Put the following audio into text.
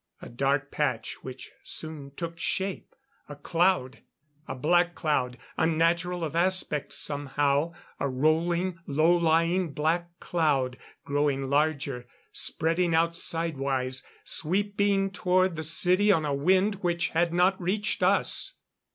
A dark patch which soon took shape. A cloud! A black cloud unnatural of aspect somehow a rolling, low lying black cloud. Growing larger; spreading out side wise; sweeping toward the city on a wind which had not reached us.